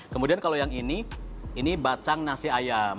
kemudian kalau yang ini ini bacang nasi ayam